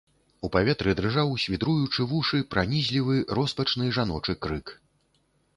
У паветры дрыжаў, свідруючы вушы, пранізлівы, роспачны жаночы крык.